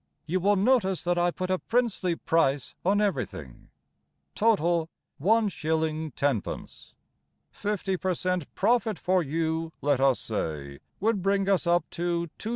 (You will notice that I put a princely price on everything), Total, 1s. 10d. Fifty per cent. profit for you, let us say, Would bring us up to 2s.